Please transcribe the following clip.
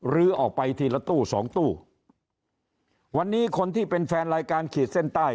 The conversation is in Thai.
ลื้อออกไปทีละตู้สองตู้วันนี้คนที่เป็นแฟนรายการขีดเส้นใต้